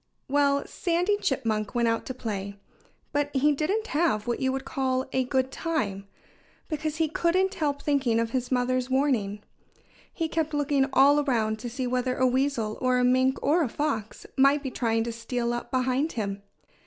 Well, Sandy Chipmunk went out to play. But he didn't have what you would call a good time, because he couldn't help thinking of his mother's warning. He kept looking all around to see whether a weasel or a mink or a fox might be trying to steal up behind him.